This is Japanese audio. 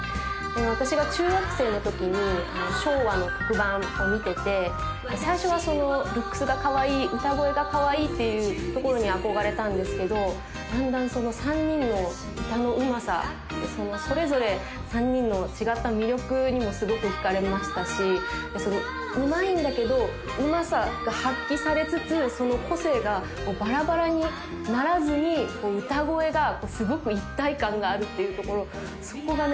私が中学生のときに昭和の特番を見てて最初はルックスがかわいい歌声がかわいいっていうところに憧れたんですけどだんだんその３人の歌のうまさそれぞれ３人の違った魅力にもすごくひかれましたしうまいんだけどうまさが発揮されつつ個性がバラバラにならずに歌声がすごく一体感があるっていうところそこがね